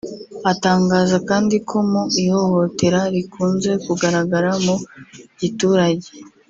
Atangaza kandi ko mu ihohotera rikunze kugaragara mu giturage